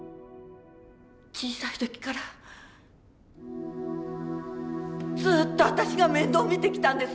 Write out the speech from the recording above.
小さい時からずっと私が面倒見てきたんです。